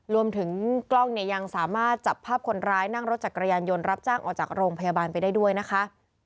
รวมถึงกล้องเนี่ยยังสามารถจับภาพคนร้ายนั่งรถจักรยานยนต์รับจ้างออกจากโรงพยาบาลไปได้ด้วยนะคะ